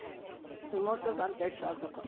妹さんと一緒のとこ？